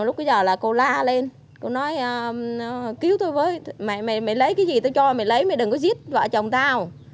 lúc bây giờ là cô la lên cô nói cứu tôi với mày lấy cái gì tao cho mày lấy mày đừng có giết vợ chồng tao